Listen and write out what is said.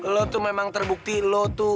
lo tuh memang terbukti lo to